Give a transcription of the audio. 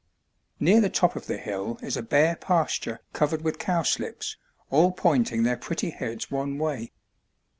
Near the top of the hill is a bare pasture covered with cowslips, all pointing their pretty heads one way.